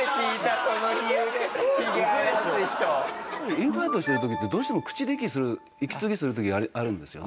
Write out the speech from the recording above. インファイトしてる時ってどうしても口で息する息継ぎする時があるんですよね。